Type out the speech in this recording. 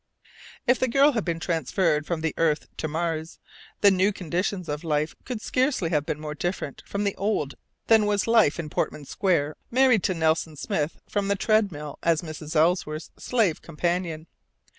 If the girl had been transferred from the earth to Mars, the new conditions of life could scarcely have been more different from the old than was life in Portman Square married to Nelson Smith, from the treadmill as Mrs. Ellsworth's slave companion.